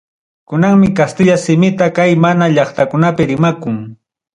Kunanmi kastilla simitaqa kay mama llaqtakunapi rimakun.